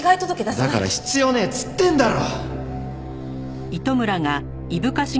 だから必要ねえっつってんだろ！